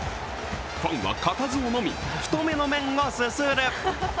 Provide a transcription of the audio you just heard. ファンは固唾をのみ、太めの麺をすする。